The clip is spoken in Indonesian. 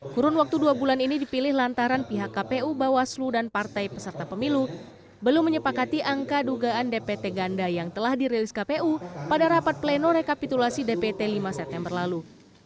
kurun waktu dua bulan ini dipilih lantaran pihak kpu bawaslu dan partai peserta pemilu belum menyepakati angka dugaan dpt ganda yang telah dirilis kpu pada rapat pleno rekapitulasi dpt lima september lalu